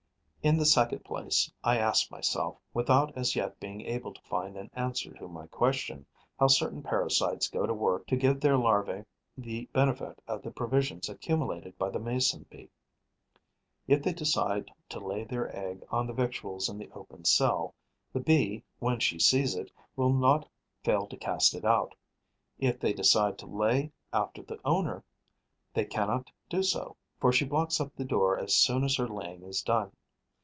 In the second place, I ask myself, without as yet being able to find an answer to my question, how certain parasites go to work to give their larva the benefit of the provisions accumulated by the Mason bee. If they decide to lay their egg on the victuals in the open cell, the Bee, when she sees it, will not fail to cast it out; if they decide to lay after the owner, they cannot do so, for she blocks up the door as soon as her laying is done.